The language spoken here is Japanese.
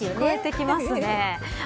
聞こえてきますね。